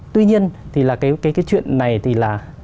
tuy nhiên thì là cái chuyện này thì là